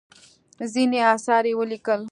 ځینې اثار یې ولیکل.